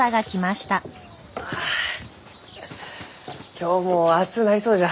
今日も暑うなりそうじゃ。